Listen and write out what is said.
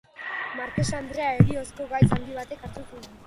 Markesa andrea heriozko gaitz handi batek hartu zuen.